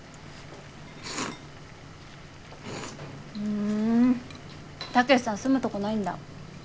ふんタケシさん住むとこないんだ。